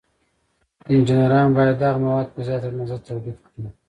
انجینران باید دغه مواد په زیاته اندازه تولید کړي.